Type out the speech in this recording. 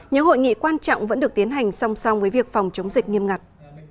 những hội nghị quan trọng vẫn được tiến hành song song với việc phòng chống dịch nghiêm ngặt